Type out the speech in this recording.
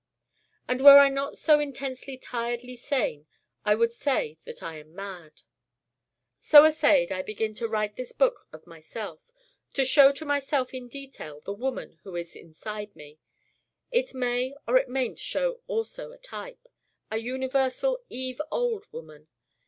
And were I not so tensely tiredly sane I would say that I am mad. So assayed I begin to write this book of myself, to show to myself in detail the woman who is inside me. It may or it mayn't show also a type, a universal Eve old woman.